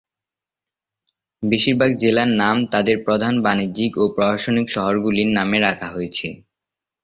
বেশিরভাগ জেলার নাম তাদের প্রধান বাণিজ্যিক এবং প্রশাসনিক শহরগুলির নামে রাখা হয়েছে।